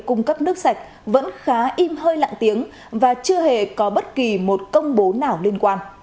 cung cấp nước sạch vẫn khá im hơi lặng tiếng và chưa hề có bất kỳ một công bố nào liên quan